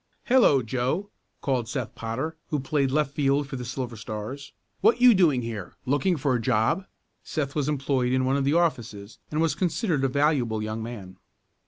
"Hello, Joe!" called Seth Potter, who played left field for the Silver Stars. "What you doing here, looking for a job?" Seth was employed in one of the offices, and was considered a valuable young man.